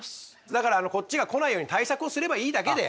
だからこっちが来ないように対策をすればいいだけで。